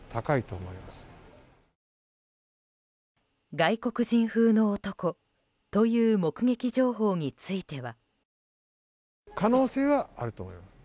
外国人風の男という目撃情報については。